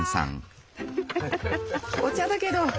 お茶だけど。